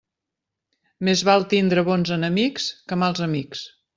Més val tindre bons enemics que mals amics.